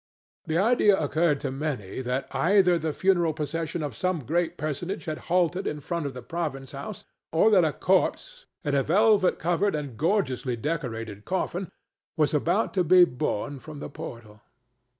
The idea occurred to many that either the funeral procession of some great personage had halted in front of the province house, or that a corpse in a velvet covered and gorgeously decorated coffin was about to be borne from the portal.